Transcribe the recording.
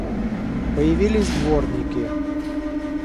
Появились дворники.